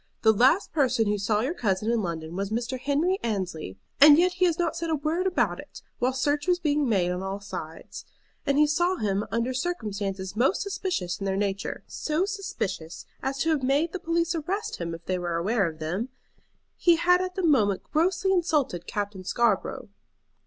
The last person who saw your cousin in London was Mr. Henry Annesley, and yet he has not said a word about it, while search was being made on all sides. And he saw him under circumstances most suspicious in their nature; so suspicious as to have made the police arrest him if they were aware of them. He had at that moment grossly insulted Captain Scarborough."